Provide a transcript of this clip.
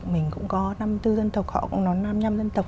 mình cũng có năm mươi bốn dân tộc họ cũng là năm mươi năm dân tộc